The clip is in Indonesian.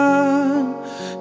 cinta bersama aku